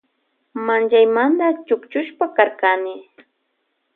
Manllaymanta chukchushpa karkani.